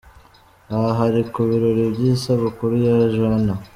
Aha hari ku birori by'isabukuru ya Joannah.